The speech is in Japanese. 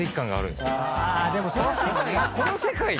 この世界で。